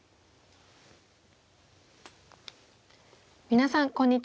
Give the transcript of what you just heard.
皆さんこんにちは。